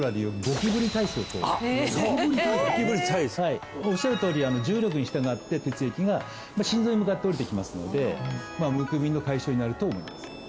ゴキブリ体操おっしゃるとおり重力に従って血液が心臓に向かって下りてきますのでむくみの解消になると思います